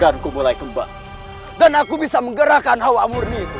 ampun kesanak ampun kesanak